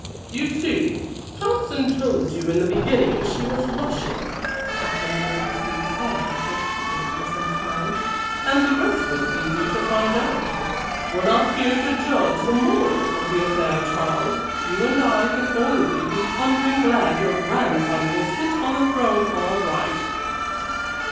"You see, Tompson told you in the beginning she was Russian," Captain Grigsby said after talking for some time, "and the rest was easy to find out. We're not here to judge the morals of the affair, Charles; you and I can only be thundering glad your grandson will sit on that throne all right."